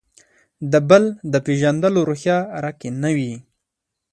د «بل» د پېژندلو روحیه راکې نه وي.